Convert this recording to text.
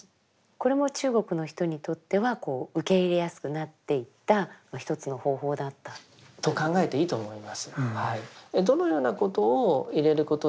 これも中国の人にとってはこう受け入れやすくなっていった一つの方法だったということ。と考えていいと思います。